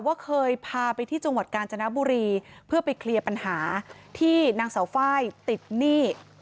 ว่าเคยพาไปที่จังหวัดกาญจนบุรีเพื่อไปเคลียร์ปัญหาที่นางเสาไฟติดหนี้